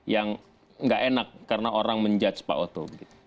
yang nggak enak karena orang menjudge pak oto